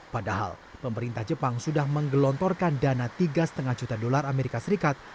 padahal pemerintah jepang sudah menggelontorkan dana tiga lima juta dolar amerika serikat